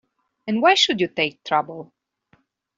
And why should you take trouble?